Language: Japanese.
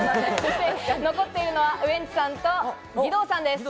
残っているのはウエンツさんと義堂さんです。